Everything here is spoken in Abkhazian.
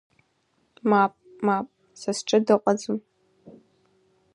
Мап, мап са сҿы дыҟаӡам.